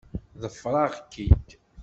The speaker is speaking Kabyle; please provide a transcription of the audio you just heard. Ḍefreɣ-k-id.